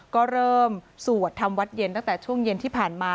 ก็เริ่มสวดทำวัดเย็นตั้งแต่ช่วงเย็นที่ผ่านมา